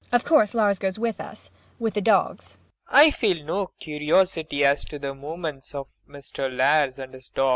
] Of course Lars goes with us with the dogs. PROFESSOR RUBEK. I feel no curiosity as to the movements of Mr. Lars and his dogs.